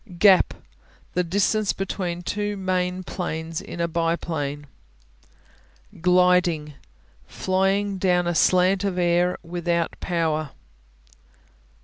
Gap The distance between two main planes in a biplane. Gliding Flying down a slant of air without power.